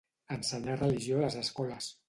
Ensenyà religió a les escoles.